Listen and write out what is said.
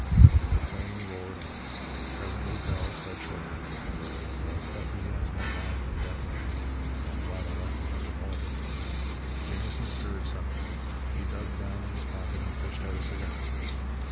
The plane roared on. Presently Bell said shortly: "That stuff he has won't last indefinitely. I'm glad I left him that revolver." Jamison stirred suddenly. He dug down in his pocket and fished out a cigar.